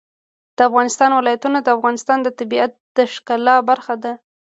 د افغانستان ولايتونه د افغانستان د طبیعت د ښکلا برخه ده.